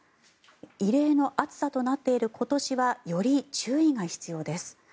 異例の暑さとなっている今年はより注意が必要です。